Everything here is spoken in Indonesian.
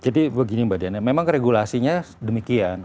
jadi begini mbak diana memang regulasinya demikian